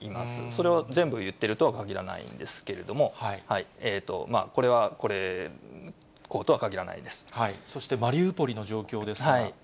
それを全部言っているとはかぎらないんですけれども、これはこうそしてマリウポリの状況です